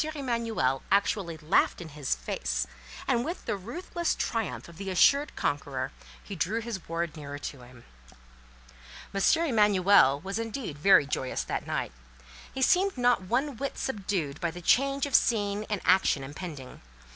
Emanuel actually laughed in his face, and with the ruthless triumph of the assured conqueror, he drew his ward nearer to him. M. Emanuel was indeed very joyous that night. He seemed not one whit subdued by the change of scene and action impending.